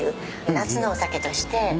夏のお酒として。